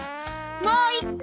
もう一回！